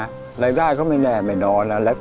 อะไรได้เค้ามีแน่ไม่นอนอะไรแบบงี้